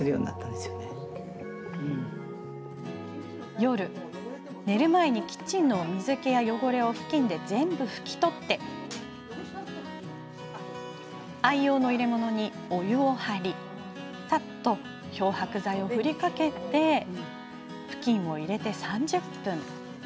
夜、寝る前にキッチンの水けや汚れをふきんで全部拭き取って愛用の入れ物に、お湯を張りさっと漂白剤を振りかけてふきんを入れて３０分。